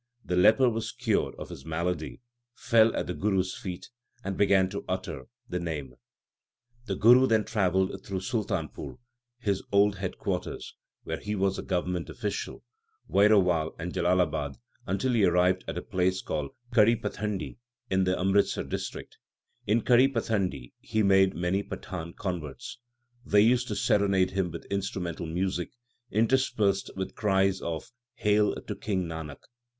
The leper was cured of his malady, fell at the Guru s feet, and began to utter the Name. 1 Dhanasari. io8 THE SIKH RELIGION The Guru then travelled through Sultanpur his old head quarters when he was a Government official Vairowal, and Jalalabad, until he arrived at a place called Kari Pathandi in the Amritsar District. In Kari Pathandi he made many Pathan converts. They used to serenade him with instru mental music, interspersed with cries of Hail to King Nanak !